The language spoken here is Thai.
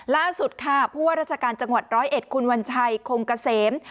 ล่าสุดค่ะผู้ว่าราชการจังหวัดร้อยเอ็ดคุณวัญชัยคงเกษม